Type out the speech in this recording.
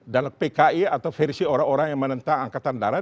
dan pki atau versi orang orang yang menentang angkatan darat